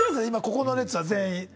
今ここの列は全員。